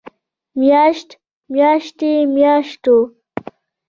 مياشت، مياشتې، مياشتو